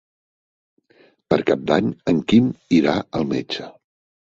Per Cap d'Any en Quim irà al metge.